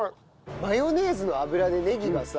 マヨネーズの油でねぎがさ